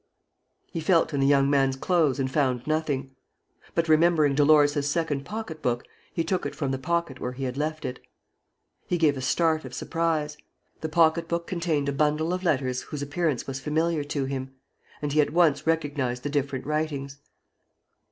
He felt in the young man's clothes and found nothing. But, remembering Dolores' second pocket book, he took it from the pocket where he had left it. He gave a start of surprise. The pocket book contained a bundle of letters whose appearance was familiar to him; and he at once recognized the different writings.